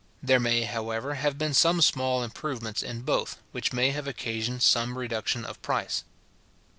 There may, however, have been some small improvements in both, which may have occasioned some reduction of price.